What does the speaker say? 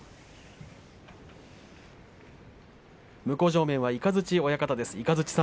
向正面は雷親方です。